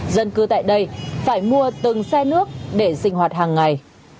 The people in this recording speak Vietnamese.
dân cư tại đây phải mua từng xe nước để sinh hoạt hàng ngày